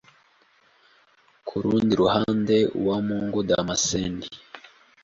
Ku rundi ruhande, Uwamungu Damascene,